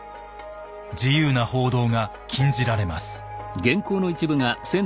自由な報道が禁じられます。